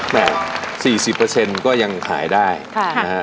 แบบ๔๐เปอร์เซ็นต์ก็ยังหายได้ค่ะ